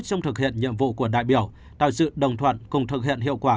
trong thực hiện nhiệm vụ của đại biểu tạo sự đồng thuận cùng thực hiện hiệu quả